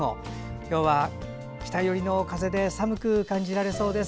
今日は北寄りの風で寒く感じられそうです。